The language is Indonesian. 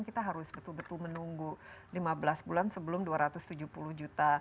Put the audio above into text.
kita harus betul betul menunggu lima belas bulan sebelum dua ratus tujuh puluh juta